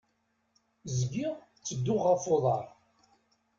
Zgiɣ tedduɣ f uḍaṛ.